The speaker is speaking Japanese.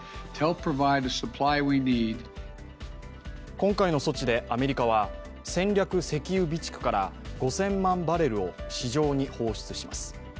今回の措置でアメリカは戦略石油備蓄から５０００万バレルを市場に放出します。